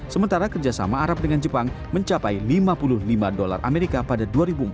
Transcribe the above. sementara kerjasama arab dengan jepang mencapai lima puluh lima dolar amerika pada dua ribu empat belas